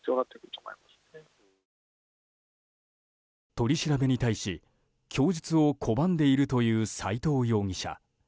取り調べに対し、供述を拒んでいるという斎藤容疑者。